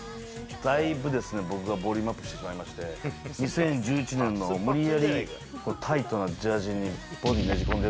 だいぶ僕がボリュームアップしてしまいまして、２０１１年のを無理やりタイトなジャージに、ボディをねじ込んで